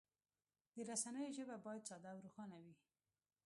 د رسنیو ژبه باید ساده او روښانه وي.